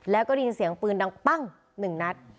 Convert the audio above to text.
แล้วก็ได้ยินเสียงปืนดังปั้ง๑นัด